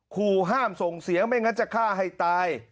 ขู่ห้ามส่งเสียงไม่งั้นจะฆ่าให้ตาย